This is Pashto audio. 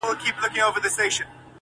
o په رنگ ښايسته، په عمل خواره خسته.